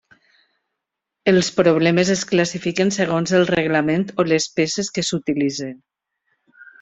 Els problemes es classifiquen segons el reglament o les peces que s'utilitzen.